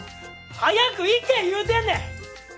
早く行けいうてんねん！